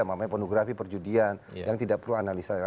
makanya pornografi perjudian yang tidak perlu analisa